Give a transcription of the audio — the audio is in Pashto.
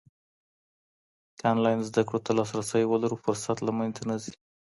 که انلاین زده کړو ته لاسرسی ولرو، فرصت له منځه نه ځي.